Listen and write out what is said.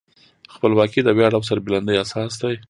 خپلواکي د ویاړ او سربلندۍ اساس دی.